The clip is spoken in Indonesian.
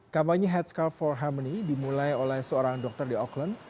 kampanye headscar for harmony dimulai oleh seorang dokter di auckland